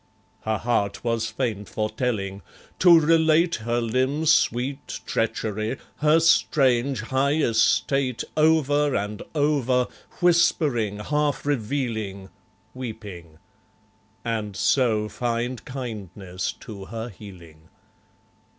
. Her heart was faint for telling; to relate Her limbs' sweet treachery, her strange high estate, Over and over, whispering, half revealing, Weeping; and so find kindness to her healing.